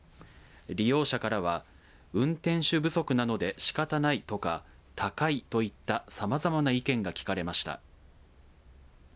利用者からは運転手不足なのでしかたないとか高いといったさまざまな意見が聞かれました。